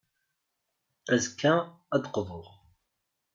Azekka, ad d-qḍuɣ.